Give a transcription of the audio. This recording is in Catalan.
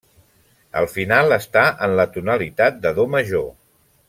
El final està en la tonalitat de do major.